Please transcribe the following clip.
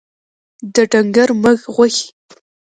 د ډنګر مږ غوښي